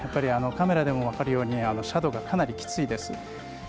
カメラでも分かるように斜度がかなりきついです。